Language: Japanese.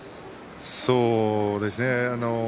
そうですね。